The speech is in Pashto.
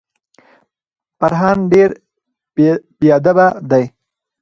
فرهان ډیر بیادبه دی.